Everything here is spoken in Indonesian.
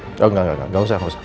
oh enggak enggak enggak gak usah usah